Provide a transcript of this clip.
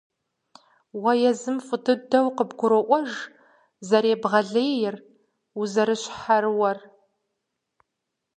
Уэ езым фӏы дыдэу къыбгуроӏуэж зэребгъэлейр, узэрыщхьэрыуэр.